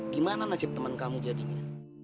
gimana nasib teman kamu jadinya